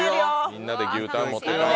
みんなで牛タン持って帰ろう。